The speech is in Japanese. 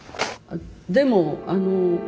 でもあの。